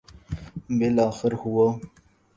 بالآخر ہوا۔